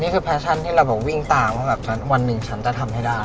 นี่คือแฟชั่นที่เราวิ่งตามว่าวันหนึ่งฉันจะทำให้ได้